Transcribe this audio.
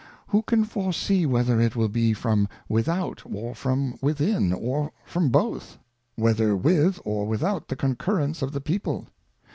Who can foresee whether it will be from without, or from within, or from both ? Whether with or without the Concurrence of the People?